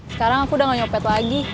sekarang aku udah gak nyopet lagi